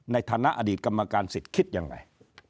ในฐานะอดีตกรรมการสิทธิ์คิดยังไง